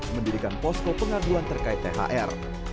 mendirikan posko pengaduan terkait thr